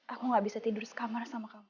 aku gak bisa tidur sekamar sama kamu